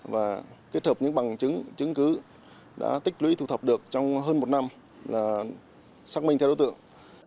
và kết hợp những bằng chứng cứ đã tích lũy thu thập được trong hơn một năm là xác minh theo đối tượng